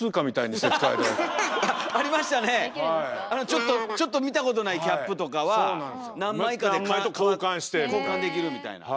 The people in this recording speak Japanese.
ちょっとちょっと見たことないキャップとかは何枚かで交換できるみたいな。